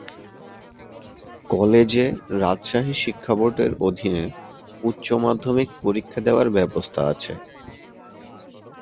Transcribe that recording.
কলেজে রাজশাহী শিক্ষাবোর্ড এর অধীনে উচ্চ মাধ্যমিক পরীক্ষা দেওয়ার ব্যবস্থা আছে।